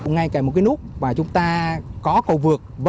ngay cạnh một cái nút và chúng ta có cầu vượt